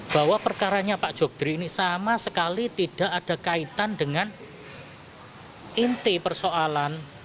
bahwa perkaranya pak jokdri ini sama sekali tidak ada kaitan dengan inti persoalan